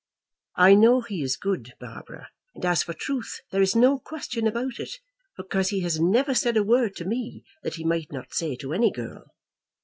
"I know he is good, Barbara; and as for truth, there is no question about it, because he has never said a word to me that he might not say to any girl."